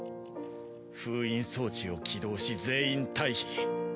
封印装置を起動し全員退避。